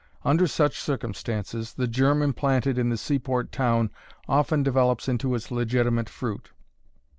Under such circumstances, the germ implanted in the sea port town often develops into its legitimate fruit.